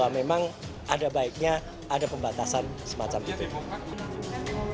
memang ada baiknya ada pembatasan semacam itu